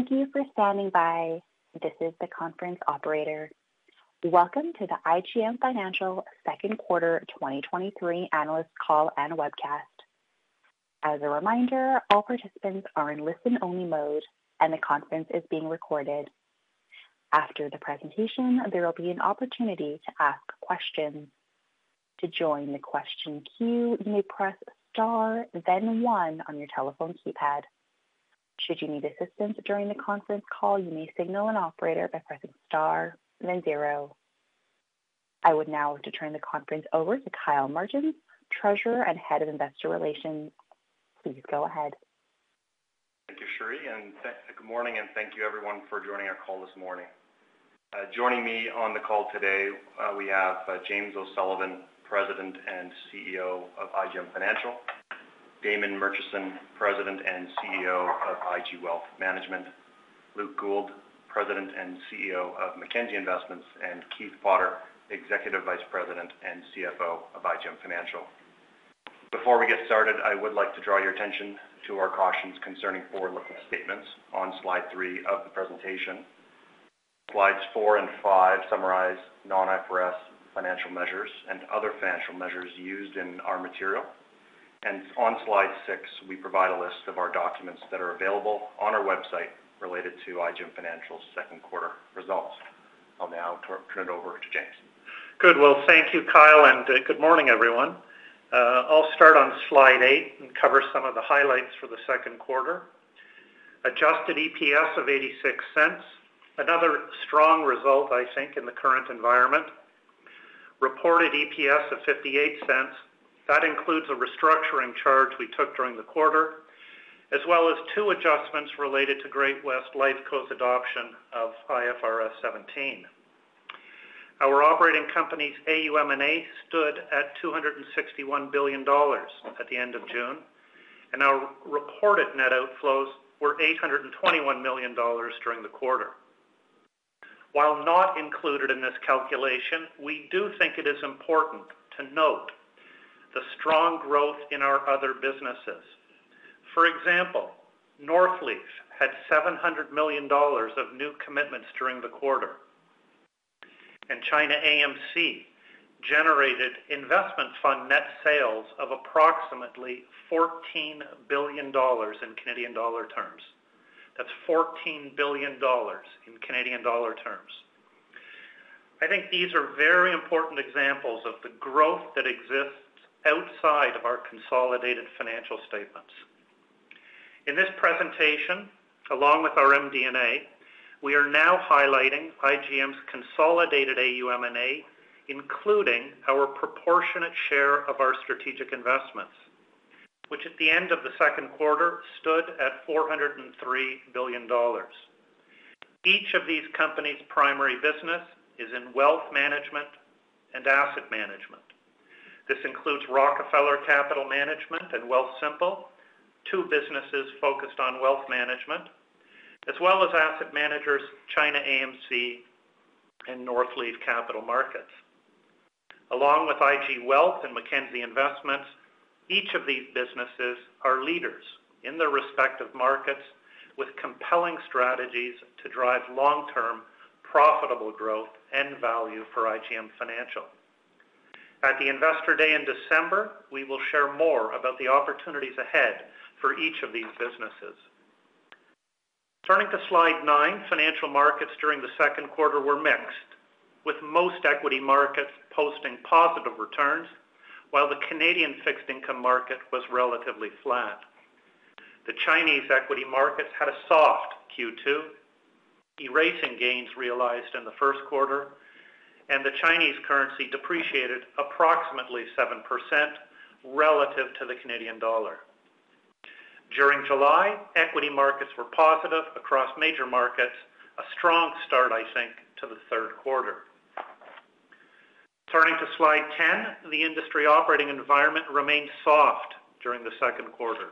Thank you for standing by. This is the conference operator. Welcome to the IGM Financial second quarter 2023 analyst call and webcast. As a reminder, all participants are in listen-only mode, and the conference is being recorded. After the presentation, there will be an opportunity to ask questions. To join the question queue, you may press star, then one on your telephone keypad. Should you need assistance during the conference call, you may signal an operator by pressing star, then zero. I would now like to turn the conference over to Kyle Martin, Treasurer and Head of Investor Relations. Please go ahead. Thank you, Sheree, good morning, and thank you everyone for joining our call this morning. Joining me on the call today, we have James O'Sullivan, President and CEO of IGM Financial; Damon Murchison, President and CEO of IG Wealth Management; Luke Gould, President and CEO of Mackenzie Investments; and Keith Potter, Executive Vice President and CFO of IGM Financial. Before we get started, I would like to draw your attention to our cautions concerning forward-looking statements on slide three of the presentation. Slides four and five summarize non-IFRS financial measures and other financial measures used in our material. On slide six, we provide a list of our documents that are available on our website related to IGM Financial's second quarter results. I'll now turn it over to James. Good. Well, thank you, Kyle, and good morning, everyone. I'll start on slide eight and cover some of the highlights for the second quarter. Adjusted EPS of 0.86. Another strong result, I think, in the current environment. Reported EPS of 0.58. That includes a restructuring charge we took during the quarter, as well as two adjustments related to Great-West Lifeco's adoption of IFRS 17. Our operating companies, AUM&A, stood at 261 billion dollars at the end of June, and our reported net outflows were 821 million dollars during the quarter. While not included in this calculation, we do think it is important to note the strong growth in our other businesses. For example, Northleaf had 700 million dollars of new commitments during the quarter. ChinaAMC generated investment fund net sales of approximately 14 billion dollars in Canadian dollar terms. That's 14 billion dollars in Canadian dollar terms. I think these are very important examples of the growth that exists outside of our consolidated financial statements. In this presentation, along with our MD&A, we are now highlighting IGM's consolidated AUM&A, including our proportionate share of our strategic investments, which at the end of the second quarter, stood at 403 billion dollars. Each of these companies' primary business is in wealth management and asset management. This includes Rockefeller Capital Management and Wealthsimple, two businesses focused on wealth management, as well as asset managers, ChinaAMC and Northleaf Capital Markets. Along with IG Wealth Management and Mackenzie Investments, each of these businesses are leaders in their respective markets, with compelling strategies to drive long-term, profitable growth and value for IGM Financial. At the Investor Day in December, we will share more about the opportunities ahead for each of these businesses. Turning to slide nine, financial markets during the second quarter were mixed, with most equity markets posting positive returns, while the Canadian fixed income market was relatively flat. The Chinese equity markets had a soft Q2, erasing gains realized in the first quarter, and the Chinese currency depreciated approximately 7% relative to the Canadian dollar. During July, equity markets were positive across major markets, a strong start, I think, to the third quarter. Turning to slide 10, the industry operating environment remained soft during the second quarter,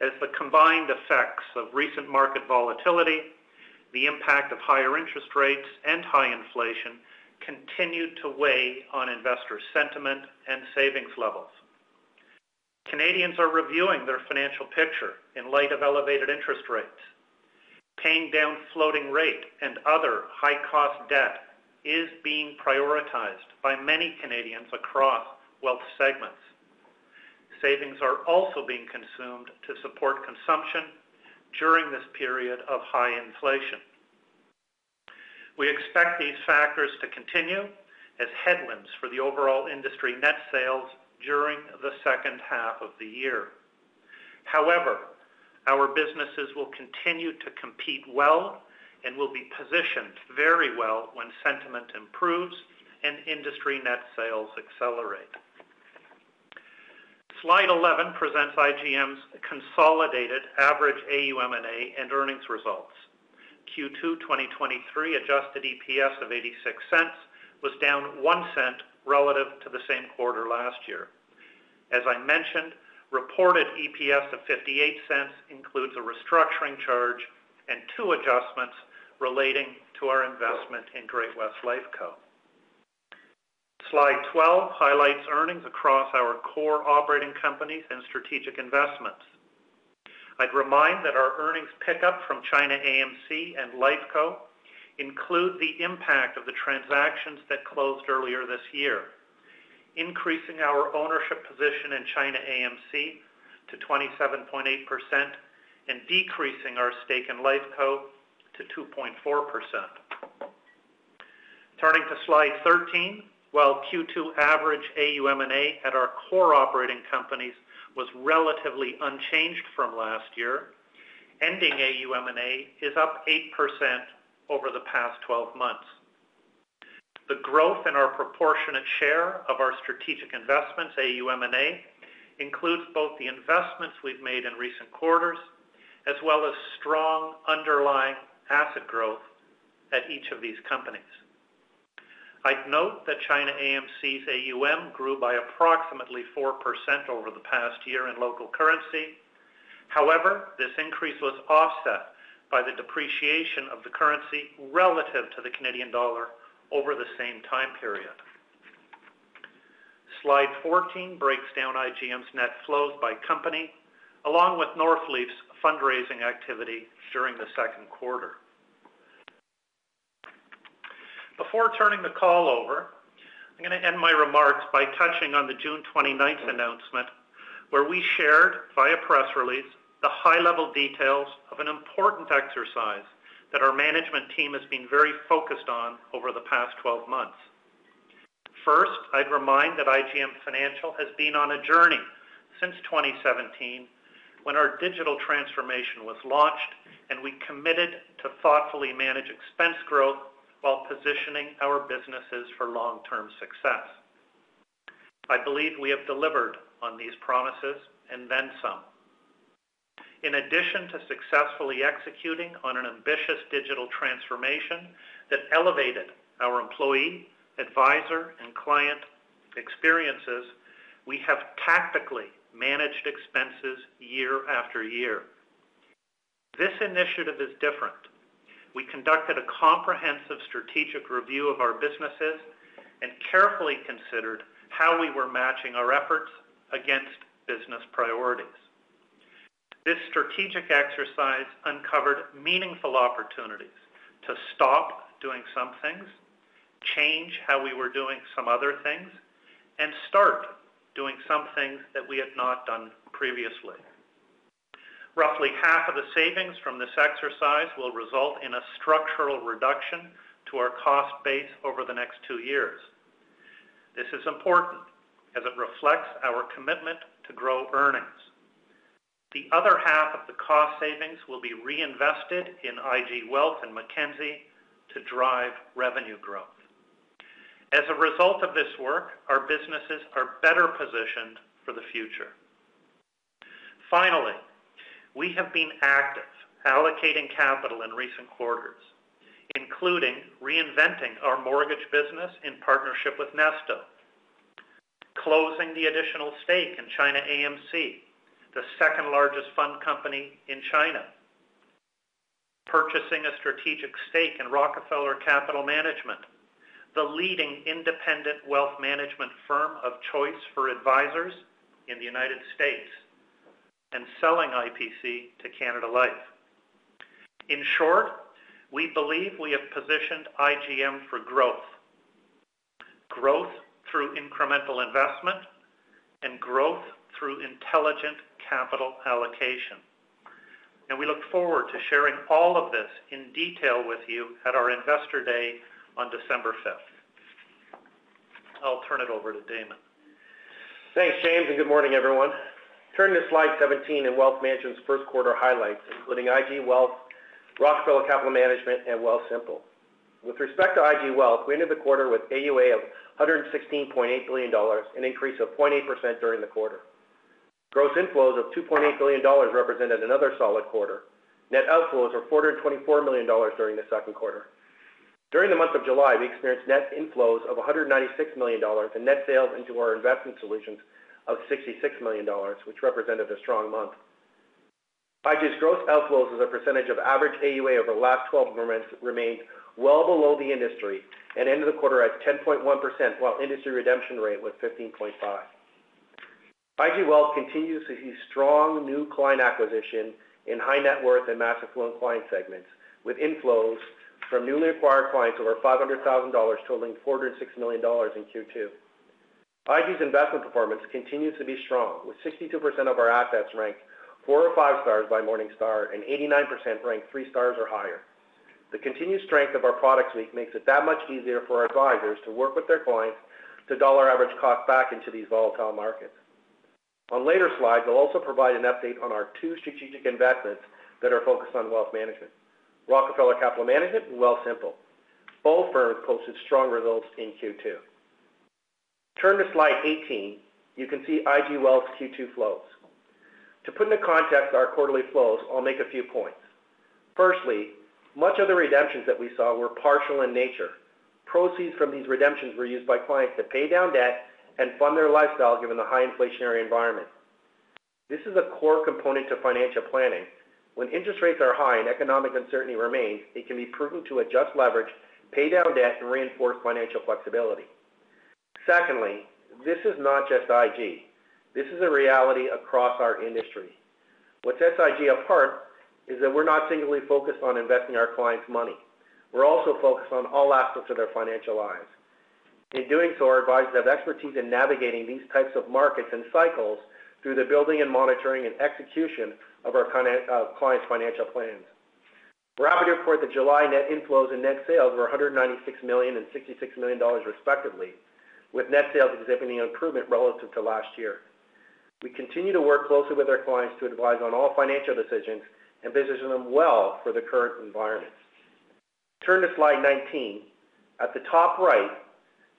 as the combined effects of recent market volatility, the impact of higher interest rates and high inflation continued to weigh on investor sentiment and savings levels. Canadians are reviewing their financial picture in light of elevated interest rates. Paying down floating rate and other high-cost debt is being prioritized by many Canadians across wealth segments. Savings are also being consumed to support consumption during this period of high inflation. We expect these factors to continue as headwinds for the overall industry net sales during the second half of the year. However, our businesses will continue to compete well and will be positioned very well when sentiment improves and industry net sales accelerate. Slide 11 presents IGM's consolidated average AUM&A and earnings results. Q2 2023 adjusted EPS of 0.86 was down 0.01 relative to the same quarter last year. As I mentioned, reported EPS of 0.58 includes a restructuring charge and two adjustments relating to our investment in Great-West Lifeco. Slide 12 highlights earnings across our core operating companies and strategic investments. I'd remind that our earnings pickup from ChinaAMC and Lifeco include the impact of the transactions that closed earlier this year, increasing our ownership position in ChinaAMC to 27.8% and decreasing our stake in Lifeco to 2.4%. Turning to slide 13, while Q2 average AUM&A at our core operating companies was relatively unchanged from last year, ending AUM&A is up 8% over the past 12 months. The growth in our proportionate share of our strategic investments, AUM&A, includes both the investments we've made in recent quarters, as well as strong underlying asset growth at each of these companies. I'd note that ChinaAMC's AUM grew by approximately 4% over the past year in local currency. However, this increase was offset by the depreciation of the currency relative to the Canadian dollar over the same time period. Slide 14 breaks down IGM's net flows by company, along with Northleaf's fundraising activity during the second quarter. Before turning the call over, I'm gonna end my remarks by touching on the June 29th announcement, where we shared, via press release, the high-level details of an important exercise that our management team has been very focused on over the past 12 months. First, I'd remind that IGM Financial has been on a journey since 2017, when our digital transformation was launched and we committed to thoughtfully manage expense growth while positioning our businesses for long-term success. I believe we have delivered on these promises, and then some. In addition to successfully executing on an ambitious digital transformation that elevated our employee, advisor, and client experiences, we have tactically managed expenses year-after-year. This initiative is different. We conducted a comprehensive strategic review of our businesses and carefully considered how we were matching our efforts against business priorities. This strategic exercise uncovered meaningful opportunities to stop doing some things, change how we were doing some other things, and start doing some things that we had not done previously. Roughly half of the savings from this exercise will result in a structural reduction to our cost base over the next two years. This is important, as it reflects our commitment to grow earnings. The other half of the cost savings will be reinvested in IG Wealth and Mackenzie to drive revenue growth. As a result of this work, our businesses are better positioned for the future. Finally, we have been active allocating capital in recent quarters, including reinventing our mortgage business in partnership with Nesto, closing the additional stake in ChinaAMC, the second-largest fund company in China, purchasing a strategic stake in Rockefeller Capital Management, the leading independent wealth management firm of choice for advisors in the United States, and selling IPC to Canada Life. In short, we believe we have positioned IGM for growth. Growth through incremental investment and growth through intelligent capital allocation. We look forward to sharing all of this in detail with you at our Investor Day on December 5th. I'll turn it over to Damon. Thanks, James. Good morning, everyone. Turn to slide 17 in IG Wealth Management's first quarter highlights, including IG Wealth, Rockefeller Capital Management, and Wealthsimple. With respect to IG Wealth, we ended the quarter with AUA of 116.8 billion dollars, an increase of 0.8% during the quarter. Gross inflows of 2.8 billion dollars represented another solid quarter. Net outflows were 424 million dollars during the second quarter. During the month of July, we experienced net inflows of 196 million dollars and net sales into our investment solutions of 66 million dollars, which represented a strong month. IG's gross outflows as a percentage of average AUA over the last 12 months remained well below the industry and ended the quarter at 10.1%, while industry redemption rate was 15.5%. IG Wealth continues to see strong new client acquisition in high net worth and massive flow client segments, with inflows from newly acquired clients over 500,000 dollars, totaling 406 million dollars in Q2. IG's investment performance continues to be strong, with 62% of our assets ranked 4 or 5 stars by Morningstar and 89% ranked 3 stars or higher. The continued strength of our product suite makes it that much easier for our advisors to work with their clients to dollar average cost back into these volatile markets. On later slides, we'll also provide an update on our two strategic investments that are focused on wealth management, Rockefeller Capital Management and Wealthsimple. Both firms posted strong results in Q2. Turn to slide 18. You can see IG Wealth's Q2 flows. To put into context our quarterly flows, I'll make a few points. Firstly, much of the redemptions that we saw were partial in nature. Proceeds from these redemptions were used by clients to pay down debt and fund their lifestyle, given the high inflationary environment. This is a core component to financial planning. When interest rates are high and economic uncertainty remains, it can be prudent to adjust leverage, pay down debt, and reinforce financial flexibility. Secondly, this is not just IG. This is a reality across our industry. What sets IG apart is that we're not singularly focused on investing our clients' money. We're also focused on all aspects of their financial lives. In doing so, our advisors have expertise in navigating these types of markets and cycles through the building and monitoring and execution of our client, clients' financial plans. We're happy to report that July net inflows and net sales were 196 million and 66 million dollars, respectively, with net sales exhibiting improvement relative to last year. We continue to work closely with our clients to advise on all financial decisions and position them well for the current environment. Turn to slide 19. At the top right,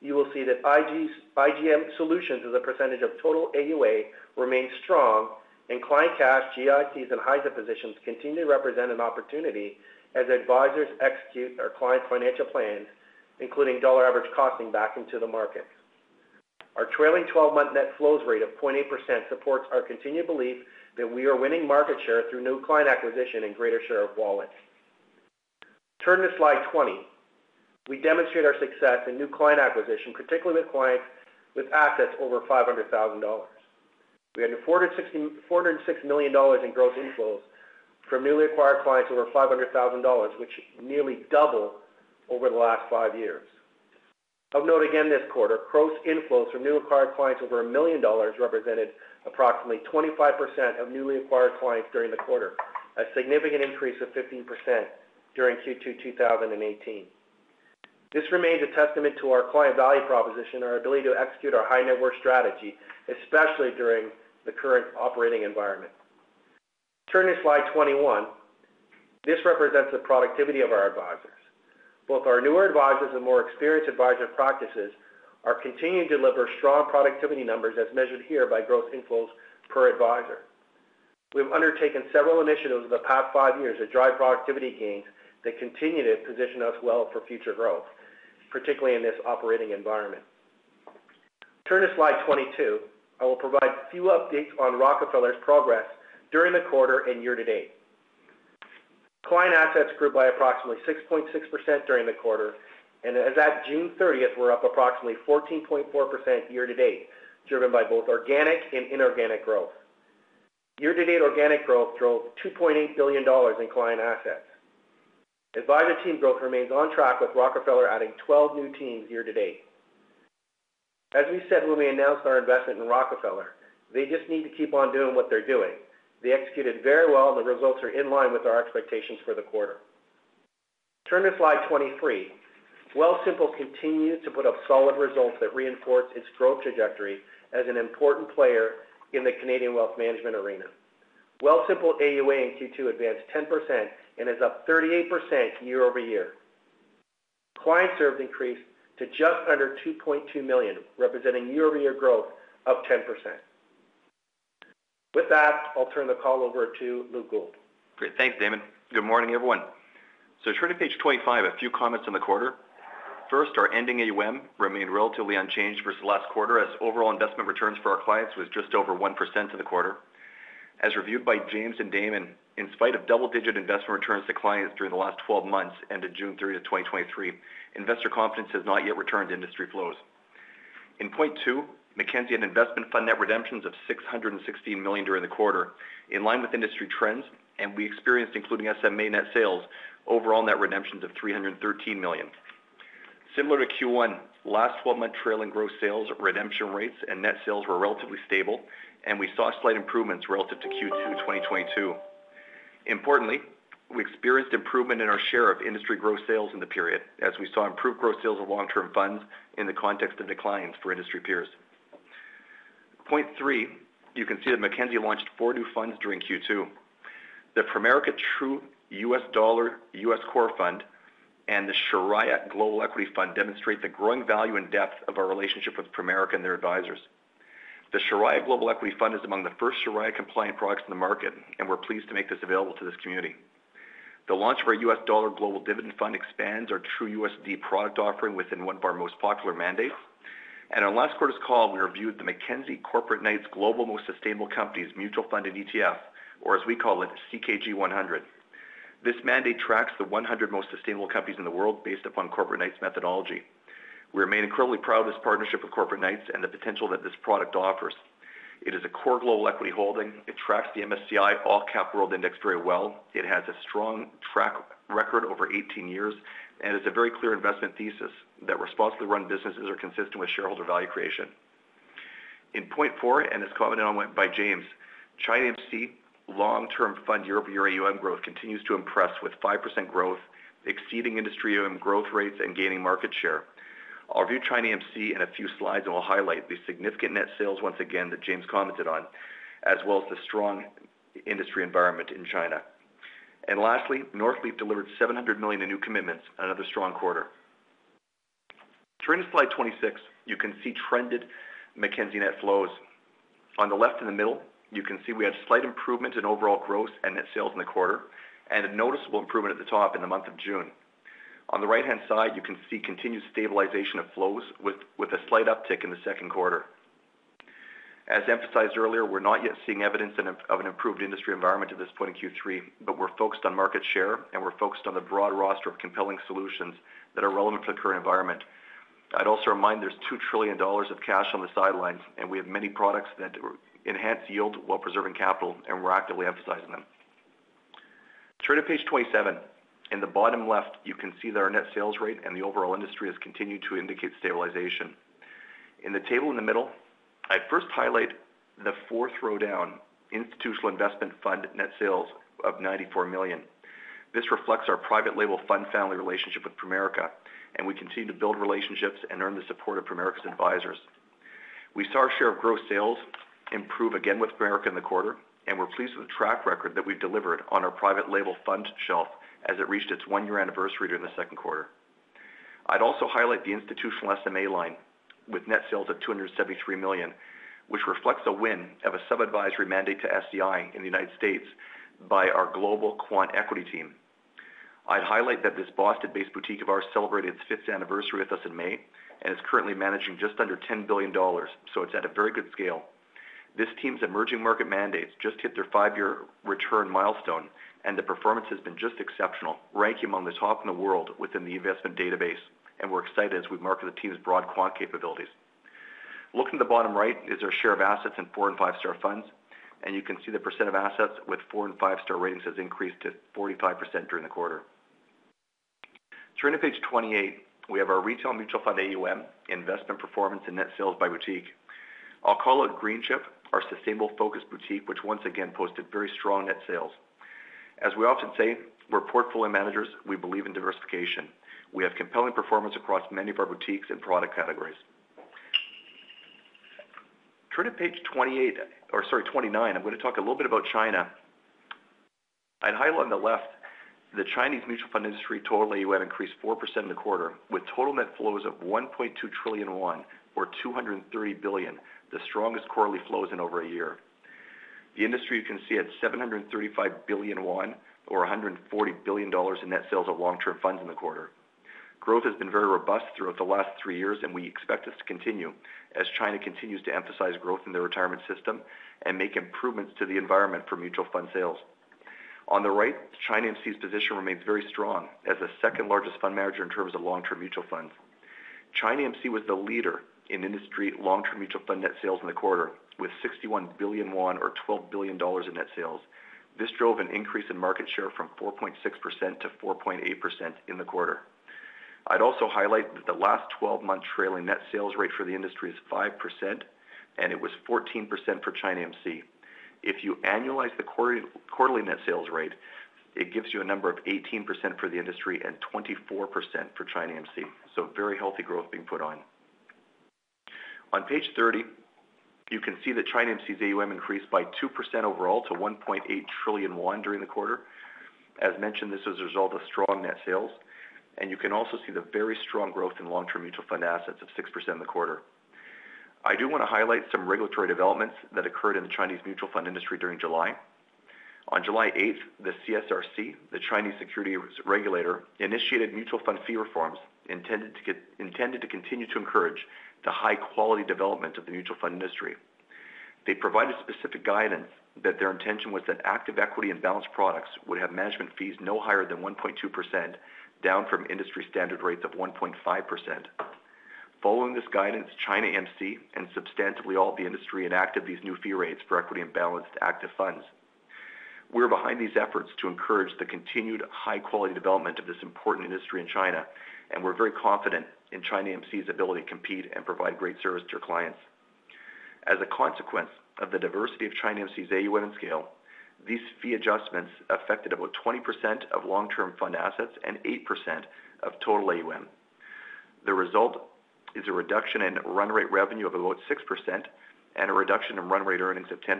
you will see that IGM Solutions as a percentage of total AUA remains strong, and client cash, GICs, and HYPA positions continue to represent an opportunity as advisors execute our client financial plans, including dollar average costing back into the market. Our trailing 12-month net flows rate of 0.8% supports our continued belief that we are winning market share through new client acquisition and greater share of wallet. Turn to slide 20. We demonstrate our success in new client acquisition, particularly with clients with assets over 500,000 dollars. We had 460 million dollars in gross inflows from newly acquired clients over 500,000 dollars, which nearly double over the last five years. Of note again this quarter, gross inflows from new acquired clients over 1 million dollars represented approximately 25% of newly acquired clients during the quarter, a significant increase of 15% during Q2 2018. This remains a testament to our client value proposition and our ability to execute our high-net-worth strategy, especially during the current operating environment. Turn to slide 21. This represents the productivity of our advisors. Both our newer advisors and more experienced advisor practices are continuing to deliver strong productivity numbers, as measured here by gross inflows per advisor. We've undertaken several initiatives over the past five years that drive productivity gains that continue to position us well for future growth, particularly in this operating environment. Turn to slide 22. I will provide a few updates on Rockefeller's progress during the quarter and year-to-date. Client assets grew by approximately 6.6% during the quarter, and as at June 30th, we're up approximately 14.4% year-to-date, driven by both organic and inorganic growth. Year-to-date organic growth drove $2.8 billion in client assets. Advisor team growth remains on track, with Rockefeller adding 12 new teams year-to-date. As we said when we announced our investment in Rockefeller, they just need to keep on doing what they're doing. They executed very well, and the results are in line with our expectations for the quarter. Turn to slide 23. Wealthsimple continues to put up solid results that reinforce its growth trajectory as an important player in the Canadian wealth management arena. Wealthsimple AUA in Q2 advanced 10% and is up 38% year-over-year. Clients served increased to just under 2.2 million, representing year-over-year growth of 10%. With that, I'll turn the call over to Luke Gould. Great. Thanks, Damon. Good morning, everyone. Turning to page 25, a few comments on the quarter. First, our ending AUM remained relatively unchanged versus last quarter, as overall investment returns for our clients was just over 1% in the quarter. As reviewed by James and Damon, in spite of double-digit investment returns to clients during the last 12 months, ended June 30, 2023, investor confidence has not yet returned to industry flows. In point 2, Mackenzie had investment fund net redemptions of 616 million during the quarter, in line with industry trends, and we experienced, including SMA net sales, overall net redemptions of 313 million. Similar to Q1, last 12-month trailing gross sales, redemption rates and net sales were relatively stable, and we saw slight improvements relative to Q2 2022. Importantly, we experienced improvement in our share of industry gross sales in the period, as we saw improved gross sales of long-term funds in the context of declines for industry peers. Point 3, you can see that Mackenzie launched four new funds during Q2. The Primerica True US Dollar US Core Fund and the Shariah Global Equity Fund demonstrate the growing value and depth of our relationship with Primerica and their advisors. The Shariah Global Equity Fund is among the first Shariah-compliant products in the market, and we're pleased to make this available to this community. The launch of our US Dollar Global Dividend Fund expands our True USD product offering within one of our most popular mandates. On last quarter's call, we reviewed the Mackenzie Corporate Knights Global Most Sustainable Companies Mutual Fund and ETF, or as we call it, CKG 100. This mandate tracks the 100 most sustainable companies in the world based upon Corporate Knights' methodology. We remain incredibly proud of this partnership with Corporate Knights and the potential that this product offers. It is a core global equity holding. It tracks the MSCI All-Cap World Index very well. It has a strong track record over 18 years, and it's a very clear investment thesis that responsibly run businesses are consistent with shareholder value creation. In point 4, and as commented on by James, ChinaAMC long-term fund year-over-year AUM growth continues to impress, with 5% growth exceeding industry AUM growth rates and gaining market share. I'll review ChinaAMC in a few slides, and we'll highlight the significant net sales once again that James commented on, as well as the strong industry environment in China. Lastly, Northleaf delivered 700 million in new commitments, another strong quarter. Turning to slide 26, you can see trended Mackenzie net flows. On the left and the middle, you can see we had slight improvement in overall growth and net sales in the quarter, and a noticeable improvement at the top in the month of June. On the right-hand side, you can see continued stabilization of flows with a slight uptick in the second quarter. As emphasized earlier, we're not yet seeing evidence of an improved industry environment at this point in Q3, but we're focused on market share, and we're focused on the broad roster of compelling solutions that are relevant to the current environment. I'd also remind there's 2 trillion dollars of cash on the sidelines, and we have many products that enhance yield while preserving capital, and we're actively emphasizing them. Turning to page 27, in the bottom left, you can see that our net sales rate and the overall industry has continued to indicate stabilization. In the table in the middle, I'd first highlight the fourth row down, institutional investment fund net sales of 94 million. This reflects our private label fund family relationship with Primerica. We continue to build relationships and earn the support of Primerica's advisors. We saw our share of gross sales improve again with Primerica in the quarter. We're pleased with the track record that we've delivered on our private label fund shelf as it reached its one-year anniversary during the second quarter. I'd also highlight the institutional SMA line with net sales of 273 million, which reflects a win of a sub-advisory mandate to SDI in the United States by our global quant equity team. I'd highlight that this Boston-based boutique of ours celebrated its 5th anniversary with us in May and is currently managing just under 10 billion dollars, so it's at a very good scale. This team's emerging market mandates just hit their five-year return milestone, and the performance has been just exceptional, ranking among the top in the world within the investment database, and we're excited as we market the team's broad quant capabilities. Looking at the bottom right is our share of assets in 4 and 5-star funds, and you can see the percent of assets with 4 and 5-star ratings has increased to 45% during the quarter. Turning to page 28, we have our retail mutual fund AUM, investment performance, and net sales by boutique. I'll call out Greenchip, our sustainable focused boutique, which once again, posted very strong net sales. As we often say, we're portfolio managers. We believe in diversification. We have compelling performance across many of our boutiques and product categories. Turning to page 28, or sorry, 29, I'm going to talk a little bit about China. I'd highlight on the left, the Chinese mutual fund industry, total AUM, increased 4% in the quarter, with total net flows of CNY 1.2 trillion, or $230 billion, the strongest quarterly flows in over a year. The industry, you can see, had CNY 735 billion, or $140 billion in net sales of long-term funds in the quarter. Growth has been very robust throughout the last three years. We expect this to continue as China continues to emphasize growth in their retirement system and make improvements to the environment for mutual fund sales. On the right, ChinaAMC's position remains very strong as the second-largest fund manager in terms of long-term mutual funds. ChinaAMC was the leader in industry long-term mutual fund net sales in the quarter, with CNY 61 billion or 12 billion dollars in net sales. This drove an increase in market share from 4.6% to 4.8% in the quarter. I'd also highlight that the last 12-month trailing net sales rate for the industry is 5%, and it was 14% for ChinaAMC. If you annualize the quarterly, quarterly net sales rate, it gives you a number of 18% for the industry and 24% for ChinaAMC. Very healthy growth being put on. On page 30, you can see that ChinaAMC's AUM increased by 2% overall to CNY 1.8 trillion during the quarter. As mentioned, this is a result of strong net sales, and you can also see the very strong growth in long-term mutual fund assets of 6% in the quarter. I do want to highlight some regulatory developments that occurred in the Chinese mutual fund industry during July. On July 8th, the CSRC, the Chinese Security Regulator, initiated mutual fund fee reforms, intended to continue to encourage the high-quality development of the mutual fund industry. They provided specific guidance that their intention was that active equity and balanced products would have management fees no higher than 1.2%, down from industry standard rates of 1.5%. Following this guidance, ChinaAMC and substantively all of the industry, enacted these new fee rates for equity and balanced active funds. We're behind these efforts to encourage the continued high-quality development of this important industry in China, we're very confident in ChinaAMC's ability to compete and provide great service to our clients. As a consequence of the diversity of ChinaAMC's AUM and scale, these fee adjustments affected about 20% of long-term fund assets and 8% of total AUM. The result is a reduction in run rate revenue of about 6% and a reduction in run rate earnings of 10%.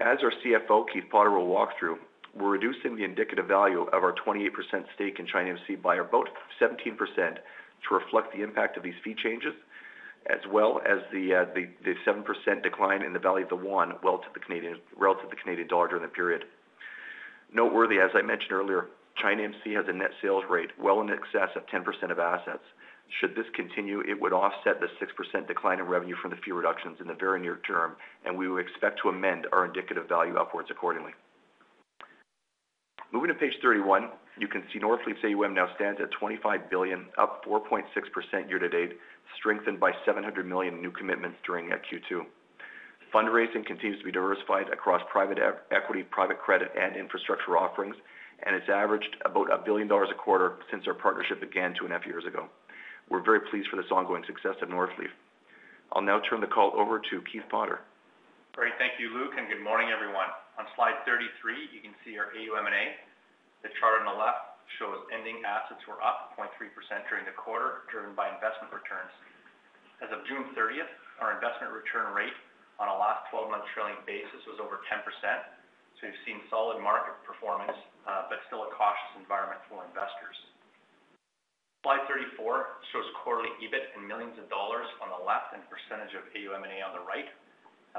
As our CFO, Keith Potter, will walk through, we're reducing the indicative value of our 28% stake in ChinaAMC by about 17% to reflect the impact of these fee changes, as well as the 7% decline in the value of the yuan, well relative to the Canadian dollar during the period. Noteworthy, as I mentioned earlier, ChinaAMC has a net sales rate well in excess of 10% of assets. Should this continue, it would offset the 6% decline in revenue from the fee reductions in the very near term, and we would expect to amend our indicative value upwards accordingly. Moving to page 31, you can see Northleaf's AUM now stands at 25 billion, up 4.6% year-to-date, strengthened by 700 million new commitments during Q2. Fundraising continues to be diversified across private equity, private credit, and infrastructure offerings, and it's averaged about 1 billion dollars a quarter since our partnership began two and a half years ago. We're very pleased for this ongoing success at Northleaf. I'll now turn the call over to Keith Potter. Great. Thank you, Luke, and good morning, everyone. On slide 33, you can see our AUM&A. The chart on the left shows ending assets were up 0.3% during the quarter, driven by investment returns. As of June 30th, our investment return rate on a last 12-month trailing basis was over 10%. We've seen solid market performance, but still a cautious environment for investors. Slide 34 shows quarterly EBIT in million dollars on the left, and percentage of AUM&A on the right.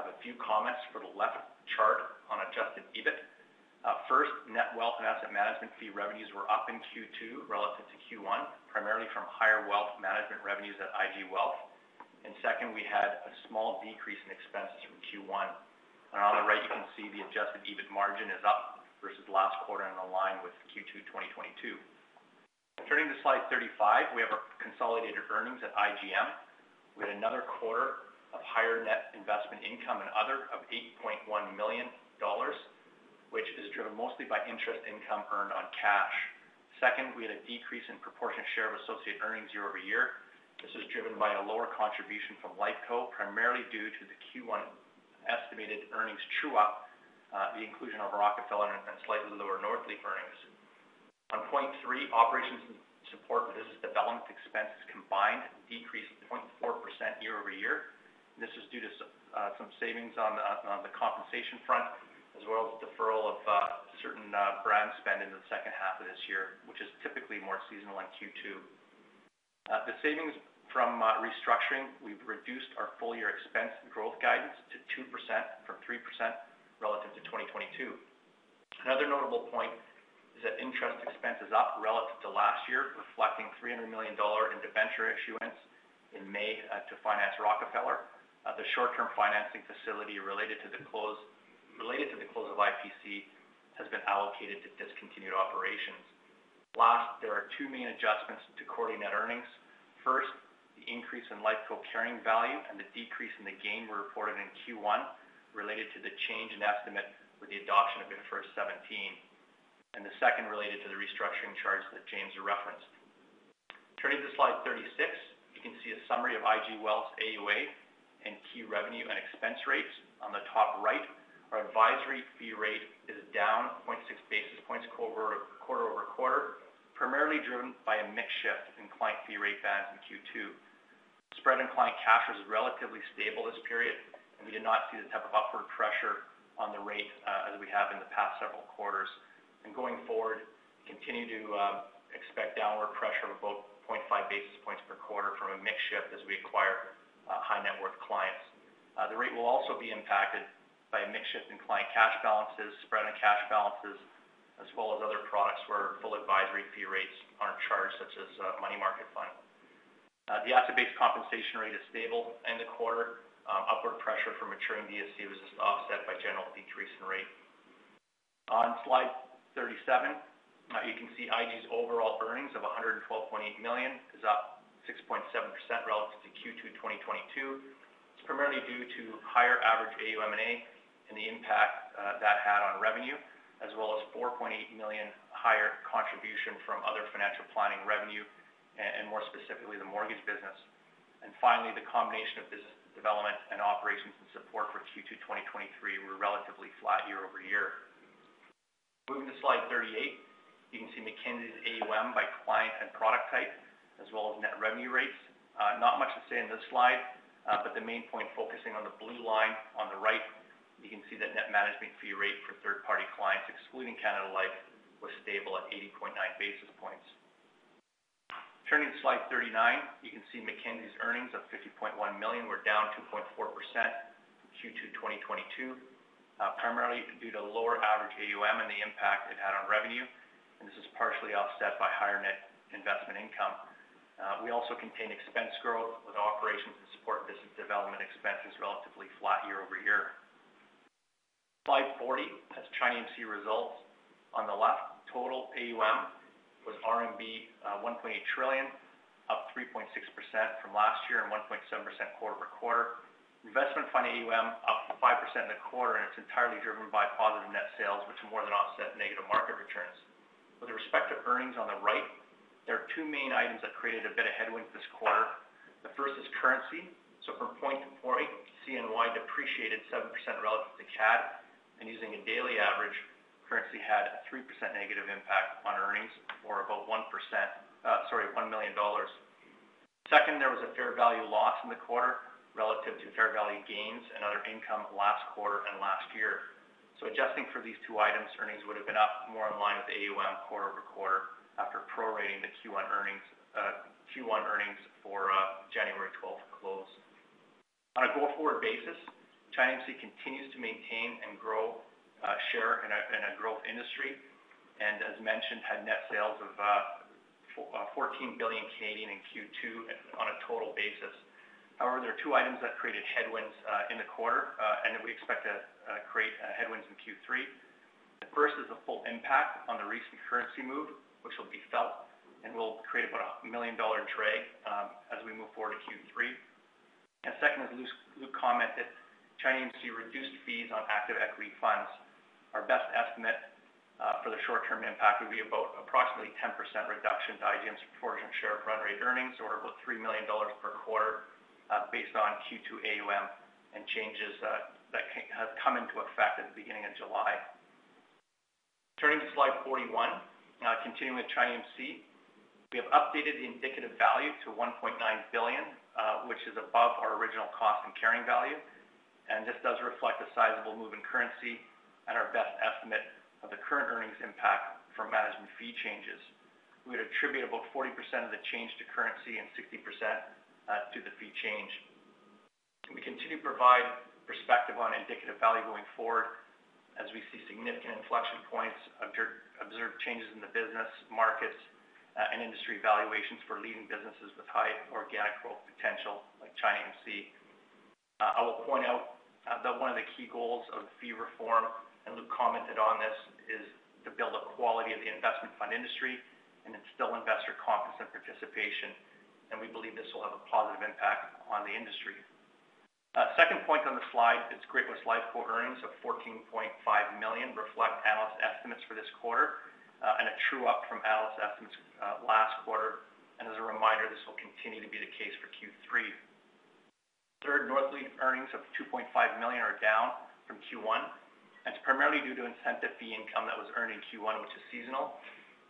I have a few comments for the left chart on adjusted EBIT. First, net wealth and asset management fee revenues were up in Q2 relative to Q1, primarily from higher wealth management revenues at IG Wealth. Second, we had a small decrease in expenses from Q1. On the right, you can see the adjusted EBIT margin is up versus last quarter and aligned with Q2, 2022. Turning to slide 35, we have our consolidated earnings at IGM. We had another quarter of higher net investment income and other of 8.1 million dollars, which is driven mostly by interest income earned on cash. Second, we had a decrease in proportionate share of associate earnings year-over-year. This is driven by a lower contribution from Lifeco, primarily due to the Q1 estimated earnings true-up, the inclusion of Rockefeller and, and slightly lower Northleaf earnings. On point 3, operations and support for this development, expenses combined decreased 0.4% year-over-year. This is due to some savings on the compensation front, as well as deferral of certain brand spend in the second half of this year, which is typically more seasonal in Q2. The savings from restructuring, we've reduced our full-year expense growth guidance to 2% from 3% relative to 2022. Another notable point is that interest expense is up relative to last year, reflecting 300 million dollar in debenture issuance in May to finance Rockefeller. The short-term financing facility related to the close of IPC, has been allocated to discontinued operations. Last, there are two main adjustments to quarterly net earnings. First, the increase in Lifeco carrying value and the decrease in the gain we reported in Q1, related to the change in estimate with the adoption of IFRS 17, and the second related to the restructuring charges that James referenced. Turning to slide 36, you can see a summary of IG Wealth's AUA and key revenue and expense rates. On the top right, our advisory fee rate is down 0.6 basis points quarter-over-quarter, primarily driven by a mix shift in client fee rate bands in Q2. Spread in client cash was relatively stable this period. We did not see the type of upward pressure on the rate as we have in the past several quarters. Going forward, we continue to expect downward pressure of about 0.5 basis points per quarter from a mix shift as we acquire high net worth clients. The rate will also be impacted by a mix shift in client cash balances, spread and cash balances, as well as other products where full advisory fee rates aren't charged, such as money market fund. The asset-based compensation rate is stable in the quarter. Upward pressure from maturing DSC was offset by general decrease in rate. On slide 37, you can see IG's overall earnings of 112.8 million, is up 6.7% relative to Q2 2022. It's primarily due to higher average AUM&A and the impact that had on revenue, as well as 4.8 million higher contribution from other financial planning revenue, and more specifically, the mortgage business. Finally, the combination of business development and operations and support for Q2 2023 were relatively flat year-over-year. Moving to slide 38, you can see Mackenzie's AUM by client and product type, as well as net revenue rates. Not much to say in this slide, the main point focusing on the blue line on the right, you can see that net management fee rate for third-party clients, excluding Canada Life, was stable at 80.9 basis points. Turning to slide 39, you can see Mackenzie's earnings of 50.1 million were down 2.4% Q2 2022, primarily due to lower average AUM and the impact it had on revenue. This is partially offset by higher net investment income. We also contained expense growth with operations and support business development expenses relatively flat year-over-year. Slide 40 has ChinaAMC results. On the left, total AUM was RMB 1.8 trillion, up 3.6% from last year and 1.7% quarter-over-quarter. Investment fund AUM up 5% in the quarter. It's entirely driven by positive net sales, which more than offset negative market returns. With respect to earnings on the right, there are two main items that created a bit of headwind this quarter. The first is currency. From point to point, CNY depreciated 7% relative to CAD, and using a daily average, currency had a 3% negative impact on earnings, or about 1%, sorry, 1 million dollars. Second, there was a fair value loss in the quarter relative to fair value gains and other income last quarter and last year. Adjusting for these two items, earnings would have been up more in line with the AUM quarter-over-quarter, after prorating the Q1 earnings, Q1 earnings for January 12th close. On a go-forward basis, ChinaAMC continues to maintain and grow share in a growth industry, and as mentioned, had net sales of 14 billion in Q2 on a total basis. However, there are two items that created headwinds in the quarter, and that we expect to create headwinds in Q3. The first is the full impact on the recent currency move, which will be felt and will create about a 1 million dollar drag as we move forward to Q3. Second, as Luke commented, ChinaAMC reduced fees on active equity funds. Our best estimate for the short-term impact would be about approximately 10% reduction to IGM's proportionate share of run rate earnings, or about 3 million dollars per quarter, based on Q2 AUM and changes that have come into effect at the beginning of July. Turning to slide 41, continuing with ChinaAMC, we have updated the indicative value to 1.9 billion. Which is above our original cost and carrying value. This does reflect a sizable move in currency and our best estimate of the current earnings impact from management fee changes. We would attribute about 40% of the change to currency and 60% to the fee change. We continue to provide perspective on indicative value going forward as we see significant inflection points, observed changes in the business markets, and industry valuations for leading businesses with high organic growth potential, like ChinaAMC. I will point out that one of the key goals of the fee reform, and Luke commented on this, is to build up quality of the investment fund industry and instill investor confidence and participation, and we believe this will have a positive impact on the industry. Second point on the slide is Great-West Lifeco earnings of 14.5 million reflect analyst estimates for this quarter, and a true-up from analyst estimates, last quarter. As a reminder, this will continue to be the case for Q3. Third, Northleaf earnings of 2.5 million are down from Q1, and it's primarily due to incentive fee income that was earned in Q1, which is seasonal.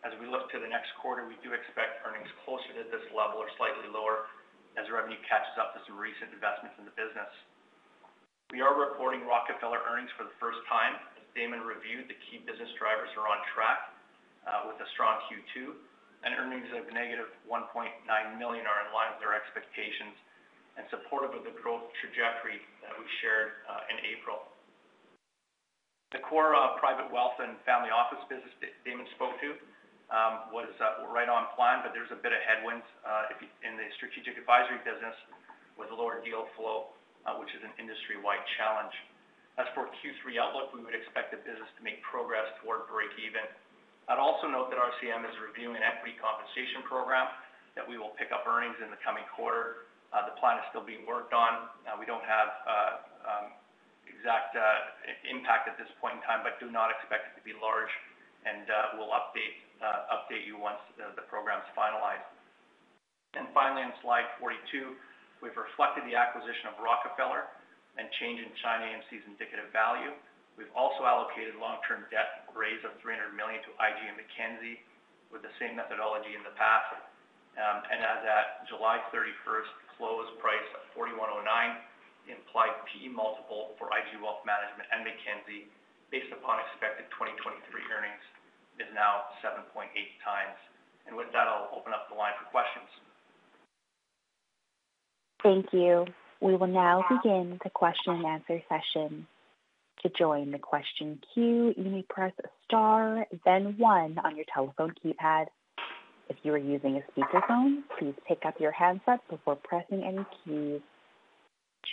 As we look to the next quarter, we do expect earnings closer to this level or slightly lower as revenue catches up to some recent investments in the business. We are reporting Rockefeller earnings for the first time. As Damon reviewed, the key business drivers are on track, with a strong Q2, and earnings of -1.9 million are in line with our expectations and supportive of the growth trajectory that we shared in April. The core of private wealth and family office business that Damon spoke to, was right on plan, but there's a bit of headwinds in the strategic advisory business with lower deal flow, which is an industry-wide challenge. As for Q3 outlook, we would expect the business to make progress toward breakeven. I'd also note that RCM is reviewing an equity compensation program, that we will pick up earnings in the coming quarter. The plan is still being worked on. We don't have exact impact at this point in time, but do not expect it to be large, and we'll update update you once the program's finalized. Finally, on slide 42, we've reflected the acquisition of Rockefeller and change in ChinaAMC's indicative value. We've also allocated long-term debt raise of 300 million to IG and Mackenzie with the same methodology in the past. As at July 31st, close price of 41.09, implied PE multiple for IG Wealth Management and Mackenzie, based upon expected 2023 earnings, is now 7.8x. With that, I'll open up the line for questions. Thank you. We will now begin the question and answer session. To join the question queue, you may press star, then one on your telephone keypad. If you are using a speakerphone, please pick up your handset before pressing any keys.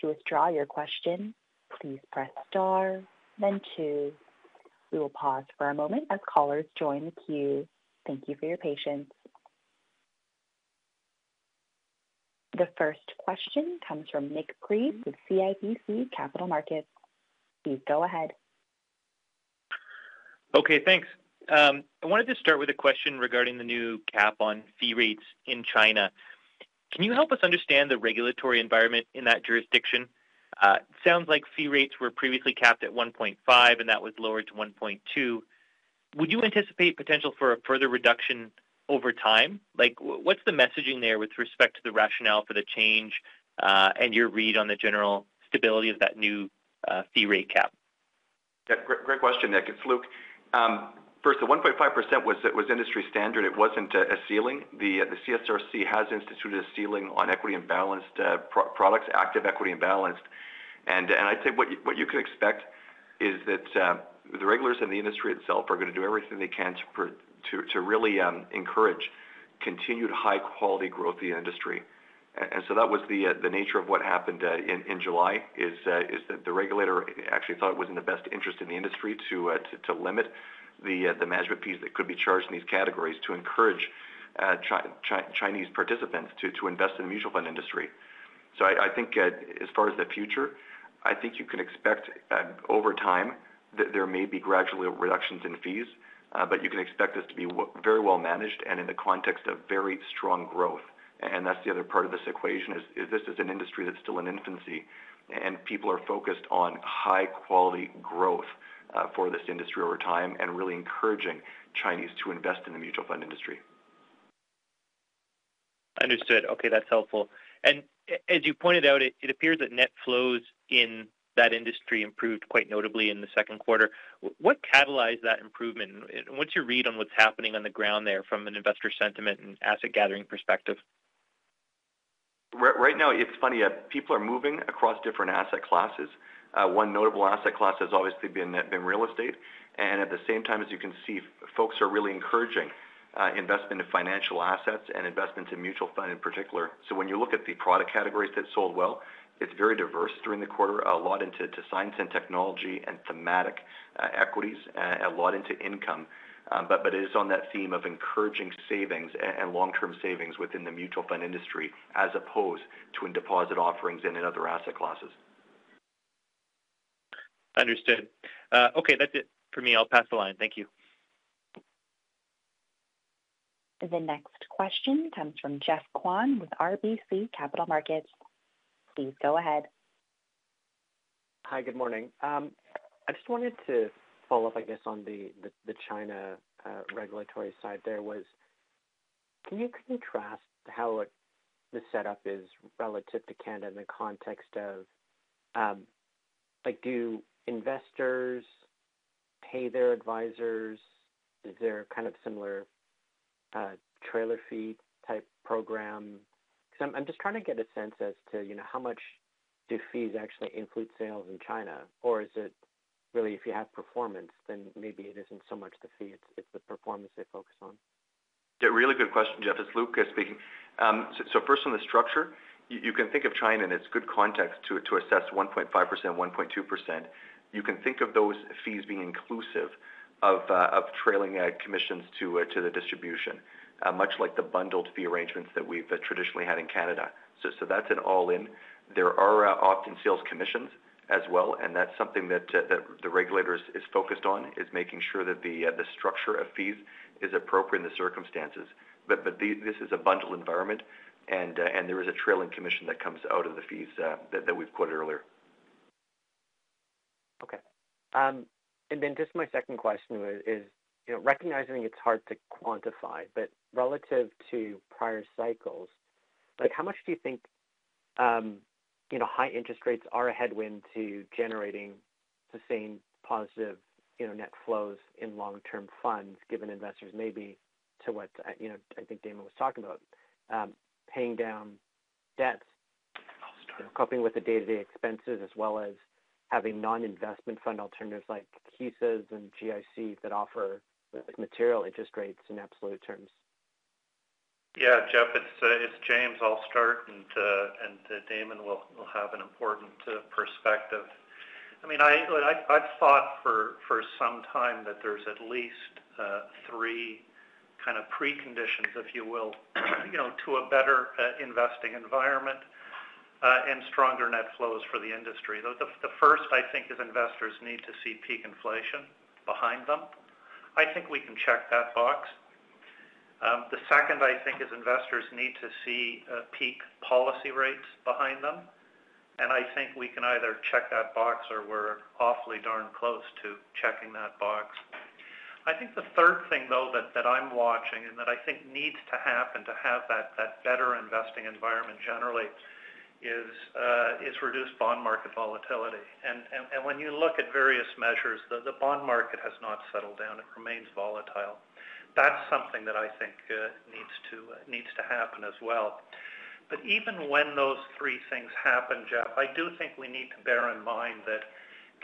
To withdraw your question, please press star then two. We will pause for a moment as callers join the queue. Thank you for your patience. The first question comes from Nick Cui with CIBC Capital Markets. Please go ahead. Okay, thanks. I wanted to start with a question regarding the new cap on fee rates in China. Can you help us understand the regulatory environment in that jurisdiction? It sounds like fee rates were previously capped at 1.5%, and that was lowered to 1.2%. Would you anticipate potential for a further reduction over time? Like, what's the messaging there with respect to the rationale for the change, and your read on the general stability of that new fee rate cap? Yeah, great, great question, Nick. It's Luke. First, the 1.5% was, was industry standard. It wasn't a ceiling. The, the CSRC has instituted a ceiling on equity and balanced products, active equity and balanced. And I'd say what you, what you can expect is that the regulators in the industry itself are going to do everything they can to really encourage continued high-quality growth in the industry. And so that was the nature of what happened in July, is that the regulator actually thought it was in the best interest of the industry to limit the management fees that could be charged in these categories to encourage Chinese participants to invest in the mutual fund industry. I think, as far as the future, I think you can expect, over time, that there may be gradual reductions in fees, but you can expect this to be very well managed and in the context of very strong growth. And that's the other part of this equation, is, is this is an industry that's still in infancy, and people are focused on high-quality growth, for this industry over time and really encouraging Chinese to invest in the mutual fund industry. Understood. Okay, that's helpful. As you pointed out, it appears that net flows in that industry improved quite notably in the second quarter. What catalyzed that improvement? What's your read on what's happening on the ground there from an investor sentiment and asset gathering perspective? Right now, it's funny, people are moving across different asset classes. One notable asset class has obviously been real estate, and at the same time, as you can see, folks are really encouraging, investment in financial assets and investment in mutual funds in particular. When you look at the product categories that sold well, it's very diverse during the quarter, a lot into science and technology and thematic equities, a lot into income. It is on that theme of encouraging savings and long-term savings within the mutual fund industry, as opposed to in deposit offerings and in other asset classes. Understood. Okay, that's it for me. I'll pass the line. Thank you. The next question comes from Geoff Kwan with RBC Capital Markets. Please go ahead. Hi, good morning. I just wanted to follow up, I guess, on the, the, the China regulatory side. Can you contrast how the setup is relative to Canada in the context of, like, do investors pay their advisors? Is there a kind of similar trailer fee type program? Because I'm, I'm just trying to get a sense as to, you know, how much do fees actually include sales in China? Or is it really, if you have performance, then maybe it isn't so much the fee, it's, it's the performance they focus on. Yeah, really good question, Geoff. It's Luke speaking. First on the structure, you, you can think of China, and it's good context to, to assess 1.5%, 1.2%. You can think of those fees being inclusive of trailing commissions to the distribution, much like the bundled fee arrangements that we've traditionally had in Canada. That's an all-in. There are often sales commissions as well, and that's something that the regulators is focused on, is making sure that the structure of fees is appropriate in the circumstances. This is a bundle environment, and there is a trailing commission that comes out of the fees that we've quoted earlier. Okay. Then just my second question was, you know, recognizing it's hard to quantify, but relative to prior cycles, like, how much do you think, you know, high interest rates are a headwind to generating the same positive, you know, net flows in long-term funds, given investors maybe to what, you know, I think Damon was talking about, paying down debts. I'll start. - coping with the day-to-day expenses, as well as having non-investment fund alternatives like HISAs and GICs that offer material interest rates in absolute terms? Yeah, Geoff, it's, it's James. I'll start, and Damon will, will have an important perspective. I mean, I, I, I've thought for, for some time that there's at least three kind of preconditions, if you will, you know, to a better investing environment and stronger net flows for the industry. The, the first, I think, is investors need to see peak inflation behind them. I think we can check that box. The second, I think, is investors need to see peak policy rates behind them, and I think we can either check that box or we're awfully darn close to checking that box. I think the third thing, though, that, that I'm watching and that I think needs to happen to have that, that better investing environment generally is reduced bond market volatility. When you look at various measures, the bond market has not settled down. It remains volatile. That's something that I think needs to happen as well. Even when those three things happen, Geoff, I do think we need to bear in mind that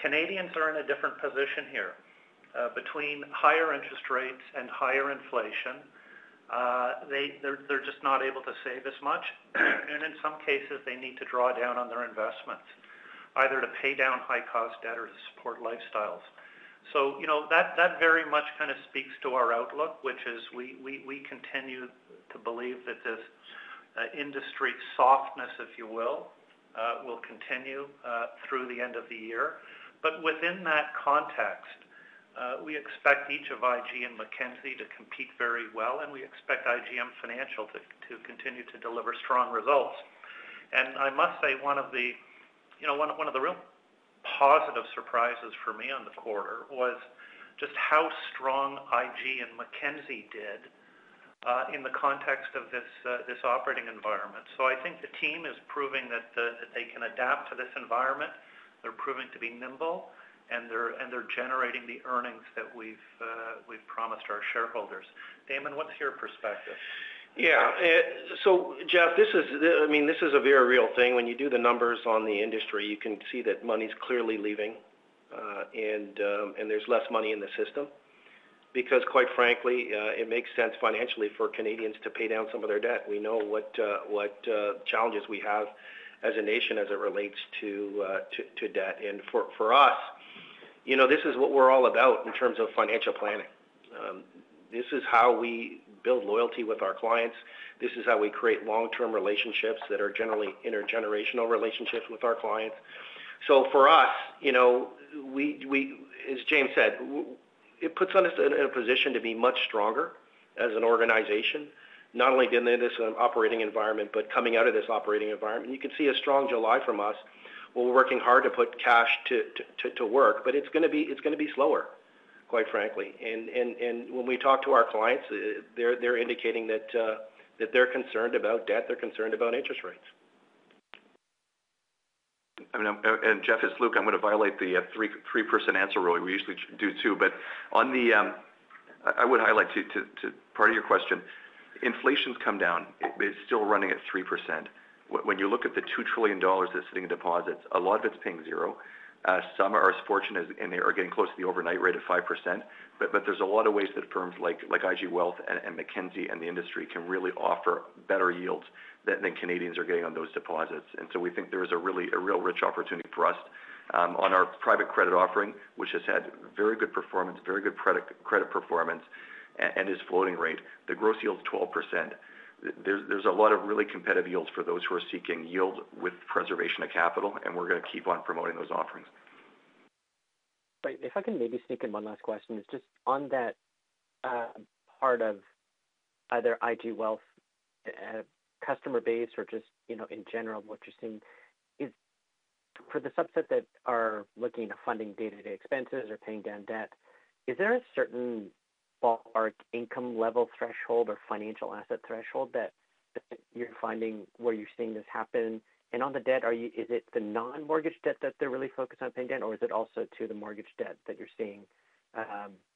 Canadians are in a different position here. Between higher interest rates and higher inflation, they're just not able to save as much. In some cases, they need to draw down on their investments, either to pay down high-cost debt or to support lifestyles. You know, that, that very much kind of speaks to our outlook, which is we, we, we continue to believe that this industry softness, if you will, will continue through the end of the year. Within that context, we expect each of IG and Mackenzie to compete very well, and we expect IGM Financial to continue to deliver strong results. I must say, one of the, you know, one of, one of the real positive surprises for me on the quarter was just how strong IG and Mackenzie did in the context of this operating environment. I think the team is proving that they can adapt to this environment. They're proving to be nimble, and they're, and they're generating the earnings that we've promised our shareholders. Damon, what's your perspective? Yeah, Geoff, this is the. I mean, this is a very real thing. When you do the numbers on the industry, you can see that money's clearly leaving, and there's less money in the system. Quite frankly, it makes sense financially for Canadians to pay down some of their debt. We know what, what, challenges we have as a nation as it relates to, to, to debt. For, for us, you know, this is what we're all about in terms of financial planning. This is how we build loyalty with our clients. This is how we create long-term relationships that are generally intergenerational relationships with our clients. For us, you know, we, we, as James said, it puts us in a position to be much stronger as an organization, not only in this operating environment, but coming out of this operating environment. You can see a strong July from us, where we're working hard to put cash to, to, to work, but it's going to be, it's going to be slower, quite frankly. When we talk to our clients, they're indicating that they're concerned about debt, they're concerned about interest rates. I mean, and Geoff, it's Luke, I'm going to violate the 3% answer rule. We usually do 2%. On the, I, I would highlight to, to, to part of your question, inflation's come down. It's still running at 3%. When you look at the 2 trillion dollars that's sitting in deposits, a lot of it's paying 0. Some are as fortunate as -- and they are getting close to the overnight rate of 5%. But there's a lot of ways that firms like, like IG Wealth and, and Mackenzie and the industry can really offer better yields than the Canadians are getting on those deposits. We think there is a really, a real rich opportunity for us on our private credit offering, which has had very good performance, very good credit, credit performance and, and is floating rate. The gross yield is 12%. There's, there's a lot of really competitive yields for those who are seeking yield with preservation of capital, and we're going to keep on promoting those offerings. If I can maybe sneak in one last question, it's just on that part of either IG Wealth customer base or just, you know, in general, what you're seeing. Is for the subset that are looking to funding day-to-day expenses or paying down debt, is there a certain ballpark income level threshold or financial asset threshold that you're finding where you're seeing this happen? And on the debt, is it the non-mortgage debt that they're really focused on paying down, or is it also to the mortgage debt that you're seeing,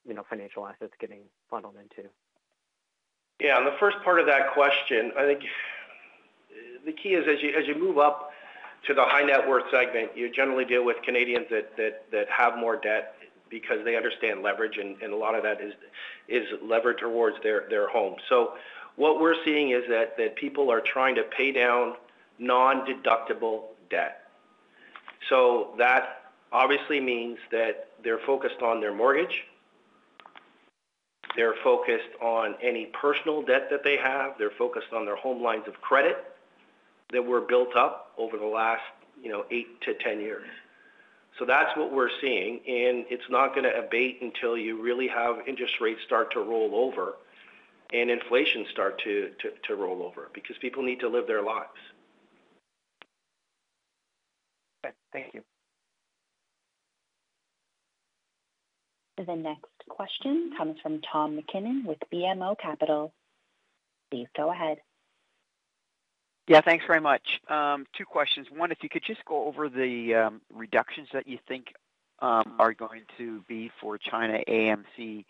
you know, financial assets getting funneled into? Yeah, on the first part of that question, I think the key is as you, as you move up to the high net worth segment, you generally deal with Canadians that, that, that have more debt because they understand leverage, and, and a lot of that is, is leverage towards their, their home. What we're seeing is that, that people are trying to pay down nondeductible debt. That obviously means that they're focused on their mortgage, they're focused on any personal debt that they have, they're focused on their home lines of credit that were built up over the last, you know, eight to 10 years. That's what we're seeing, and it's not going to abate until you really have interest rates start to roll over and inflation start to, to, to roll over, because people need to live their lives. Thank you. The next question comes from Tom MacKinnon with BMO Capital. Please go ahead. Yeah, thanks very much. Two questions. One, if you could just go over the reductions that you think are going to be for ChinaAMC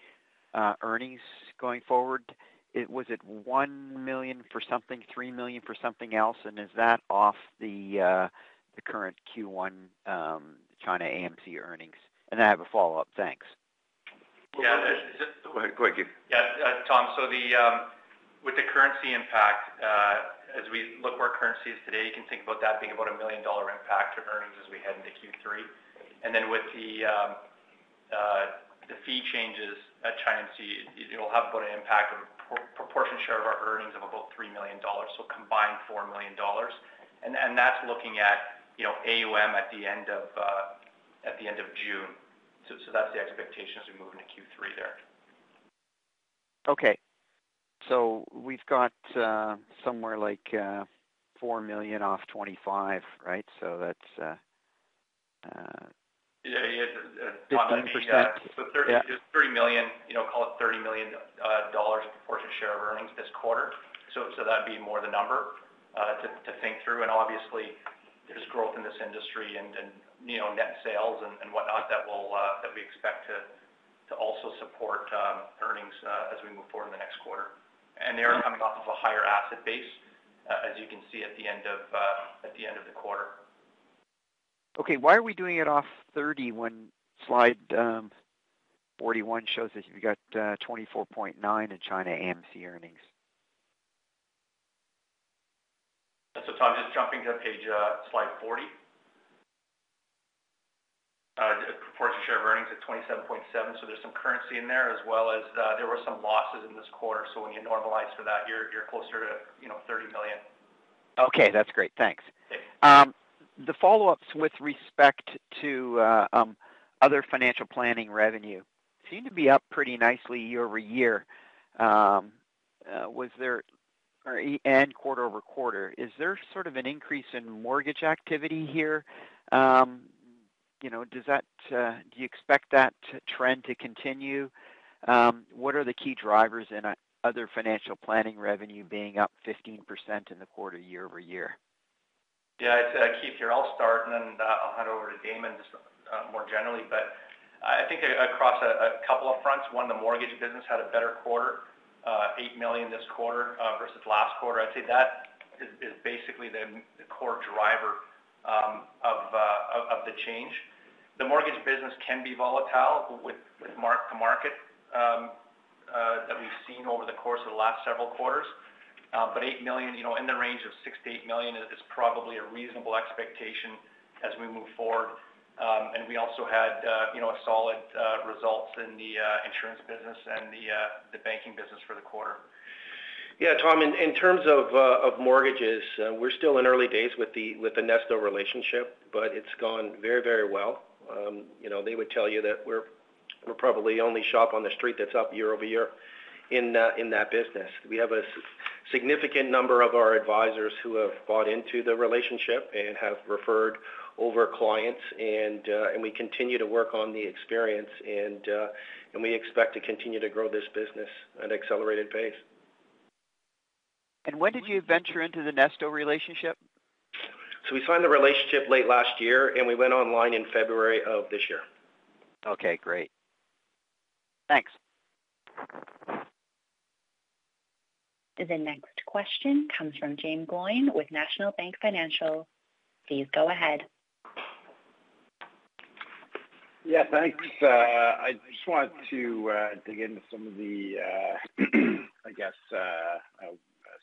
earnings going forward. Was it 1 million for something, 3 million for something else? And is that off the current Q1 ChinaAMC earnings? And I have a follow-up. Thanks. Yeah. Go ahead, Keith. Yeah, Tom, with the currency impact, as we look where currency is today, you can think about that being about 1 million dollar impact to earnings as we head into Q3. Then with the fee changes at ChinaAMC, it will have about an impact of proportion share of our earnings of about 3 million dollars, so combined 4 million dollars. That's looking at, you know, AUM at the end of, at the end of June. That's the expectation as we move into Q3 there. Okay. We've got somewhere like 4 million off 2025, right? That's- Yeah, yeah. 15%. 30 million, you know, call it 30 million dollars proportion share of earnings this quarter. That'd be more the number to, to think through. Obviously, there's growth in this industry and, and, you know, net sales and, and whatnot, that will that we expect to, to also support earnings as we move forward in the next quarter. They are coming off of a higher asset base, as you can see at the end of, at the end of the quarter. Okay. Why are we doing it off 30 when slide 41 shows that you've got 24.9 in ChinaAMC earnings? Tom, just jumping to page, slide 40. Proportion share of earnings at 27.7. There's some currency in there as well as, there were some losses in this quarter. When you normalize for that, you're, you're closer to, you know, 30 million. Okay, that's great. Thanks. Okay. The follow-ups with respect to other financial planning revenue seemed to be up pretty nicely year-over-year. Quarter-over-quarter. Is there sort of an increase in mortgage activity here? You know, does that do you expect that trend to continue? What are the key drivers in other financial planning revenue being up 15% in the quarter, year-over-year? Yeah, it's Keith here. I'll start, and then I'll hand over to Damon more generally. I think across a couple of fronts. One, the mortgage business had a better quarter, 8 million this quarter versus last quarter. I'd say that is, is basically the, the core driver of the change. The mortgage business can be volatile with, with mark-to-market that we've seen over the course of the last several quarters. But 8 million, you know, in the range of 6 million-8 million is probably a reasonable expectation as we move forward. We also had, you know, solid results in the insurance business and the banking business for the quarter. Yeah, Tom, in, in terms of mortgages, we're still in early days with the, with the Nesto relationship, but it's gone very, very well. You know, they would tell you that we're, we're probably the only shop on the street that's up year-over-year in that business. We have a significant number of our advisors who have bought into the relationship and have referred over clients, and we continue to work on the experience, and we expect to continue to grow this business at an accelerated pace. When did you venture into the Nesto relationship? We signed the relationship late last year, and we went online in February of this year. Okay, great. Thanks. The next question comes from Jaeme Gloyn with National Bank Financial. Please go ahead. Yeah, thanks. I just wanted to dig into some of the, I guess,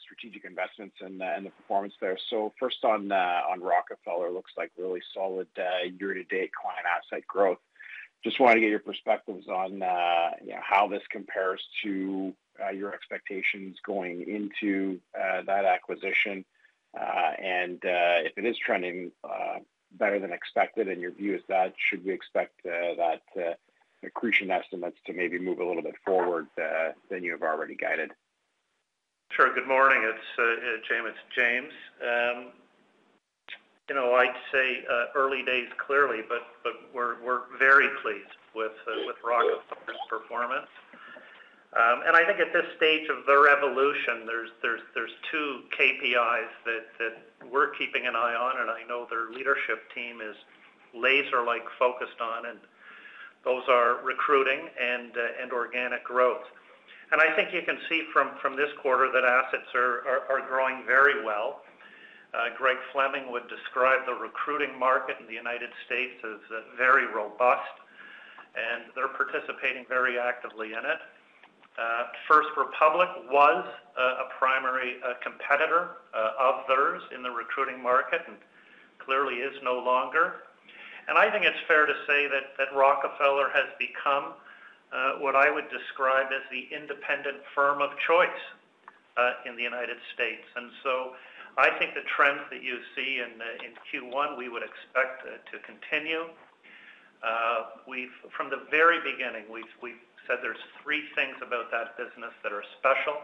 strategic investments and the, and the performance there. First on, on Rockefeller, looks like really solid year-to-date client asset growth. Just wanted to get your perspectives on, you know, how this compares to your expectations going into that acquisition. and, if it is trending, better than expected, and your view is that, should we expect, that, accretion estimates to maybe move a little bit forward, than you have already guided? Sure. Good morning, it's Jaeme, it's James. You know, I'd say early days clearly, but, but we're, we're very pleased with Rockefeller's performance. And I think at this stage of the revolution, there's, there's, there's two KPIs that, that we're keeping an eye on, and I know their leadership team is laser-like focused on, and those are recruiting and organic growth. I think you can see from, from this quarter that assets are, are, are growing very well. Greg Fleming would describe the recruiting market in the United States as very robust, and they're participating very actively in it. First Republic was a primary competitor of theirs in the recruiting market, and clearly is no longer. I think it's fair to say that that Rockefeller has become what I would describe as the independent firm of choice in the United States. I think the trends that you see in Q1, we would expect to continue. From the very beginning, we've said there's three things about that business that are special: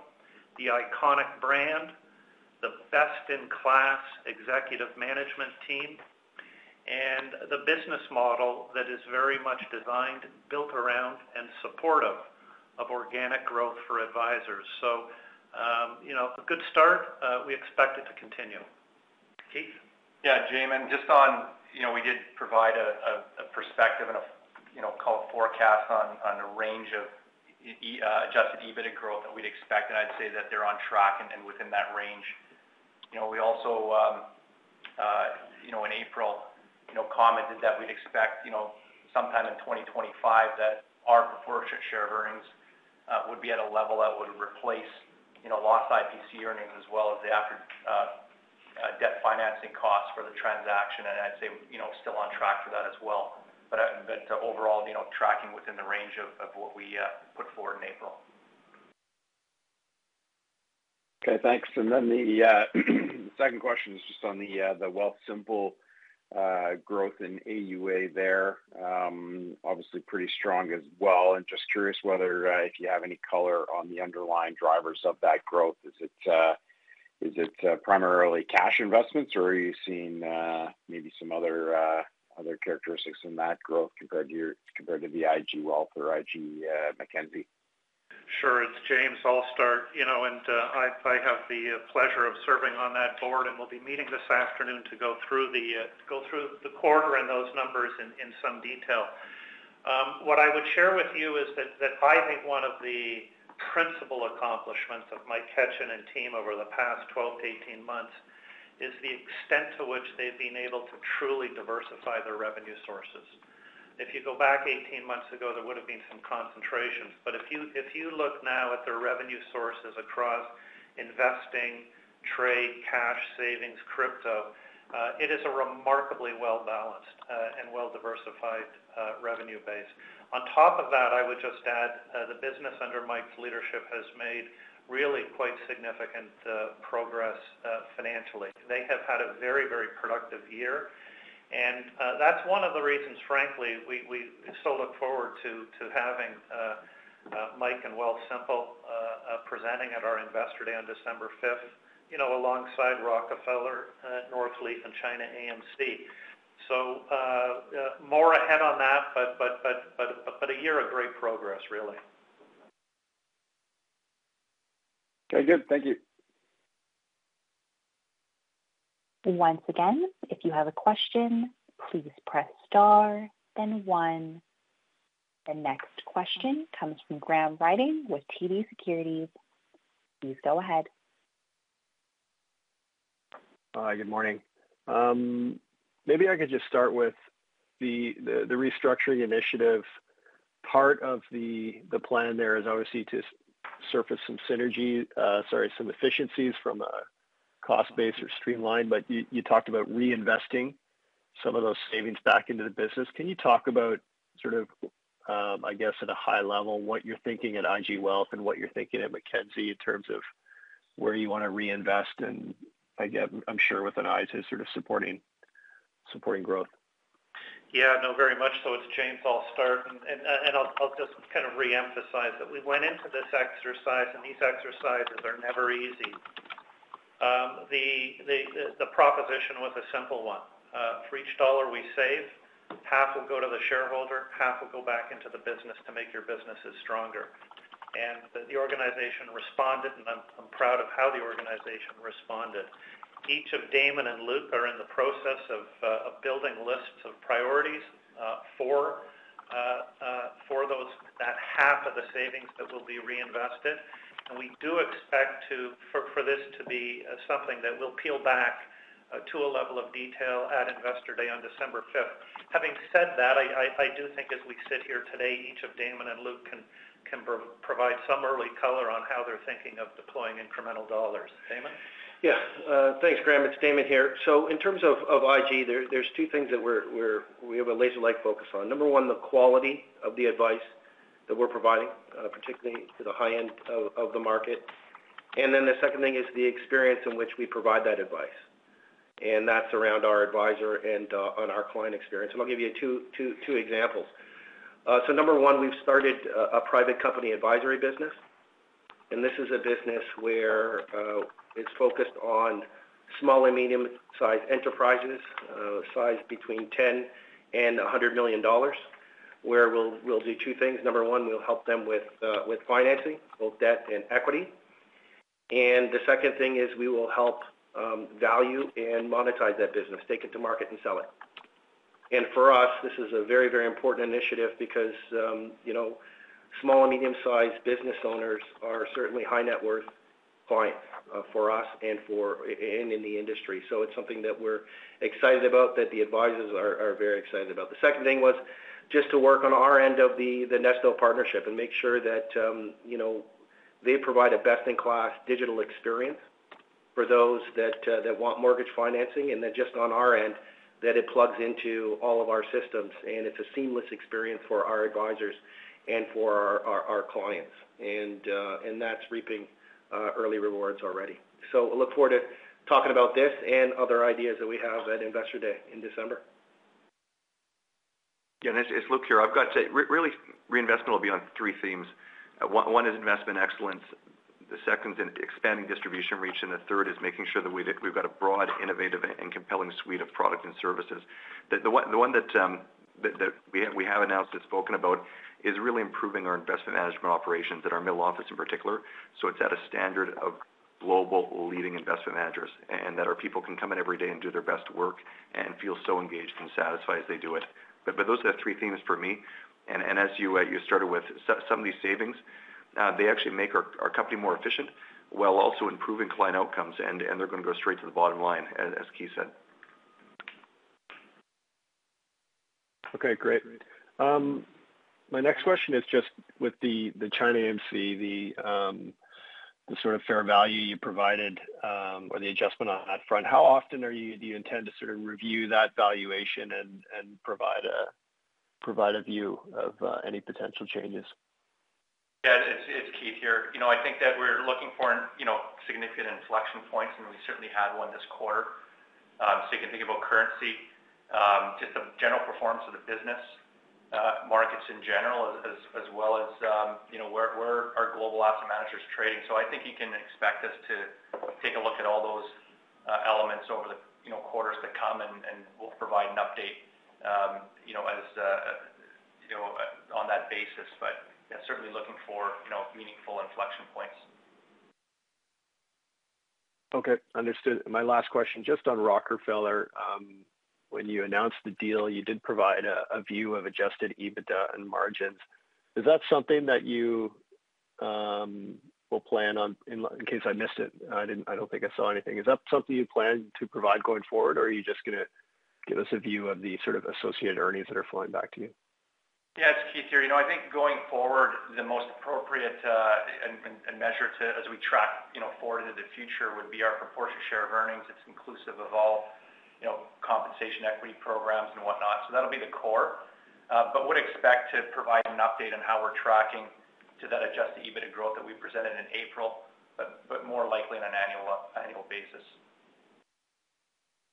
the iconic brand, the best-in-class executive management team, and the business model that is very much designed, built around, and supportive of organic growth for advisors. You know, a good start, we expect it to continue. Keith? Yeah, Jaeme, just on, you know, we did provide a perspective and a, you know, call it forecast on the range of adjusted EBIT growth that we'd expect, and I'd say that they're on track and within that range. You know, we also, you know, in April, you know, commented that we'd expect, you know, sometime in 2025 that our proportion share of earnings would be at a level that would replace, you know, lost IPC earnings as well as the after debt financing costs for the transaction. I'd say, you know, still on track for that as well. overall, you know, tracking within the range of what we put forward in April. Okay, thanks. Then the second question is just on the Wealthsimple growth in AUA there. Obviously, pretty strong as well, and just curious whether if you have any color on the underlying drivers of that growth. Is it, is it primarily cash investments, or are you seeing maybe some other other characteristics in that growth compared to the IG Wealth or IG Mackenzie? Sure. It's James, I'll start. You know, I, I have the pleasure of serving on that board, and we'll be meeting this afternoon to go through the go through the quarter and those numbers in some detail. What I would share with you is that, that I think one of the principal accomplishments of Mike Ketchen and team over the past 12-18 months, is the extent to which they've been able to truly diversify their revenue sources. If you go back 18 months ago, there would have been some concentrations, if you, if you look now at their revenue sources across investing, trade, cash, savings, crypto, it is a remarkably well-balanced and well-diversified revenue base. On top of that, I would just add, the business under Mike's leadership has made really quite significant progress financially. They have had a very, very productive year, and that's one of the reasons, frankly, we, we so look forward to, to having, Mike and Wealthsimple, presenting at our Investor Day on December 5th, you know, alongside Rockefeller, Northleaf, and ChinaAMC. More ahead on that, but a year of great progress, really. Okay, good. Thank you. Once again, if you have a question, please press star, then one. The next question comes from Graham Ryding with TD Securities. Please go ahead. Good morning. Maybe I could just start with the, the restructuring initiative. Part of the, the plan there is obviously to surface some synergy, sorry, some efficiencies from a cost base or streamline, but you, you talked about reinvesting some of those savings back into the business. Can you talk about sort of, I guess, at a high level, what you're thinking at IG Wealth and what you're thinking at Mackenzie in terms of where you want to reinvest in, I guess, I'm sure with an eye to sort of supporting, supporting growth? Yeah, no, very much so. James, I'll start, and I'll just kind of reemphasize that we went into this exercise, these exercises are never easy. The proposition was a simple one. For each dollar we save, half will go to the shareholder, half will go back into the business to make your businesses stronger. The organization responded, and I'm proud of how the organization responded. Each of Damon and Luke are in the process of building lists of priorities for those that half of the savings that will be reinvested. We do expect for this to be something that will peel back to a level of detail at Investor Day on December 5th. Having said that, I do think as we sit here today, each of Damon and Luke can provide some early color on how they're thinking of deploying incremental dollars. Damon? Yeah. Thanks, Graham. It's Damon here. In terms of IG, there's two things that we have a laser-like focus on. Number one, the quality of the advice that we're providing, particularly to the high end of, of the market. The second thing is the experience in which we provide that advice, and that's around our advisor and, on our client experience. I'll give you two, two, two examples. Number one, we've started a, a private company advisory business, and this is a business where, it's focused on small and medium-sized enterprises, sized between 10 million and 100 million dollars, where we'll, we'll do two things. Number one, we'll help them with, with financing, both debt and equity. The second thing is we will help value and monetize that business, take it to market and sell it. For us, this is a very, very important initiative because, you know, small and medium-sized business owners are certainly high net worth clients, for us and in the industry. It's something that we're excited about, that the advisors are very excited about. The second thing was just to work on our end of the Nesto partnership and make sure that, you know, they provide a best-in-class digital experience for those that want mortgage financing. Then just on our end, that it plugs into all of our systems, and it's a seamless experience for our advisors and for our, our, our clients. That's reaping early rewards already. We'll look forward to talking about this and other ideas that we have at Investor Day in December. Yeah, it's, it's Luke here. I've got to say, really, reinvestment will be on three themes. One is investment excellence, the second is expanding distribution reach, and the third is making sure that we've got a broad, innovative, and compelling suite of products and services. The, the one, the one that, that, that we have, we have announced and spoken about is really improving our investment management operations at our middle office in particular, so it's at a standard of global leading investment managers, and that our people can come in every day and do their best work and feel so engaged and satisfied as they do it. But those are the three themes for me. As you, you started with, some of these savings, they actually make our, our company more efficient while also improving client outcomes, and, they're going to go straight to the bottom line, as, as Keith said. Okay, great. My next question is just with the ChinaAMC, the sort of fair value you provided, or the adjustment on that front. How often do you intend to sort of review that valuation and provide a view of any potential changes? Yeah, it's, it's Keith here. You know, I think that we're looking for, you know, significant inflection points, and we certainly had one this quarter. You can think about currency, just the general performance of the business, markets in general, as, as well as, you know, where, where our global asset managers trading. I think you can expect us to take a look at all those elements over the, you know, quarters to come, and, and we'll provide an update, you know, as, you know, on that basis. Yeah, certainly looking for, you know, meaningful inflection points. Understood. My last question, just on Rockefeller, when you announced the deal, you did provide a, a view of adjusted EBITDA and margins. In case I missed it, I don't think I saw anything. Is that something you plan to provide going forward, or are you just going to give us a view of the sort of associated earnings that are flowing back to you? Yeah, it's Keith here. You know, I think going forward, the most appropriate, and, and, and measure to as we track, you know, forward into the future would be our proportionate share of earnings. It's inclusive of all, you know, compensation, equity programs, and whatnot. That'll be the core, but would expect to provide an update on how we're tracking to that adjusted EBITDA growth that we presented in April, but, but more likely on an annual, annual basis.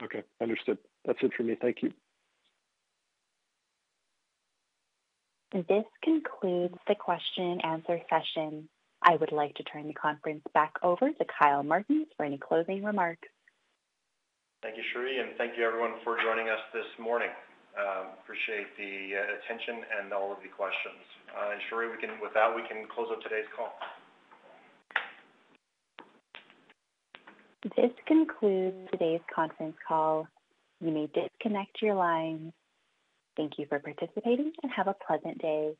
Okay, understood. That's it for me. Thank you. This concludes the question and answer session. I would like to turn the conference back over to Kyle Martin for any closing remarks. Thank you, Sheree, and thank you, everyone, for joining us this morning. Appreciate the attention and all of the questions. Sheree, with that, we can close out today's call. This concludes today's conference call. You may disconnect your line. Thank you for participating, and have a pleasant day.